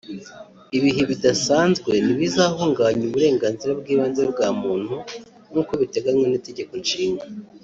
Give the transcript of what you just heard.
Ibihe bidasanzwe ntibizahungabanya uburenganzira bw’ibanze bwa muntu nk’uko biteganywa n’Itegeko Nshinga